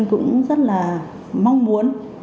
cũng rất là mong muốn